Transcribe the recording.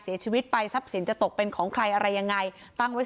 เสียชีวิตไปทรัพย์สินจะตกเป็นของใครอะไรยังไงตั้งไว้